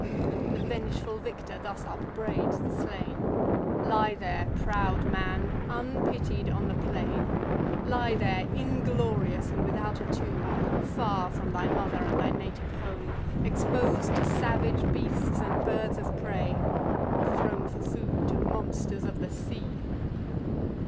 The vengeful victor thus upbraids the slain: "Lie there, proud man, unpitied, on the plain; Lie there, inglorious, and without a tomb, Far from thy mother and thy native home, Exposed to savage beasts, and birds of prey, Or thrown for food to monsters of the sea."